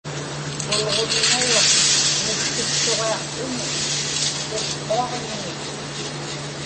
Ulġuniŋaruq niksiksuġiaqłuni iłhuaġniñik